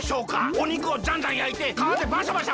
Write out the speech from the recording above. おにくをジャンジャンやいてかわでバシャバシャ